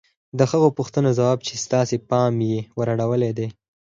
د هغو پوښتنو ځواب چې ستاسې پام يې ور اړولی دی.